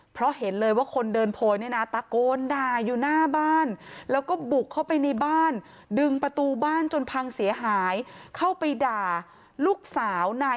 เพราะเห็นเลยว่าคนเดินโพยเนี่ยนะตะโกนด่าอยู่หน้าบ้าน